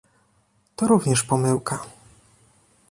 To również pomyłka